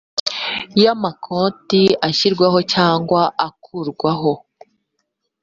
y amakonti ashyirwaho cyangwa akurwaho